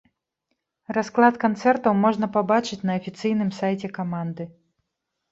Расклад канцэртаў можна пабачыць на афіцыйным сайце каманды.